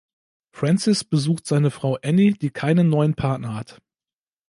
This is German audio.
Francis besucht seine Frau Annie, die keinen neuen Partner hat.